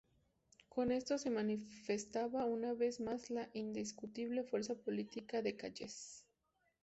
Con esto se manifestaba una vez más la indiscutible fuerza política de Calles.